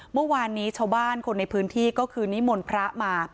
เมื่อวานนี้ชาวบ้านคนในพื้นที่ก็คือนิมนต์พระมา